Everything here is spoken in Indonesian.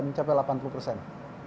diatur ke dalam kromosom